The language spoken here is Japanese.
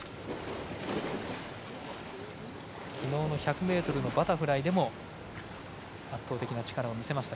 昨日の１００ｍのバタフライでも圧倒的な力を見せました。